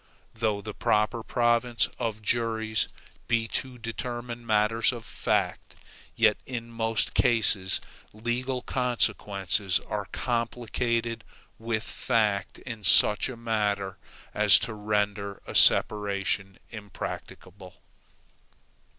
Though the proper province of juries be to determine matters of fact, yet in most cases legal consequences are complicated with fact in such a manner as to render a separation impracticable.